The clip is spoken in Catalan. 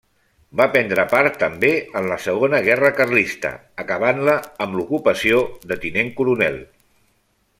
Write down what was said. Va prendre part també en la segona guerra carlista, acabant-la amb l'ocupació de tinent coronel.